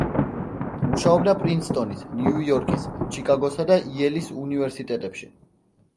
მუშაობდა პრინსტონის, ნიუ-იორკის, ჩიკაგოსა და იელის უნივერსიტეტებში.